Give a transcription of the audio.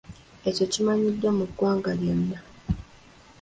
Ekyo kimanyiddwa mu ggwanga lyonna.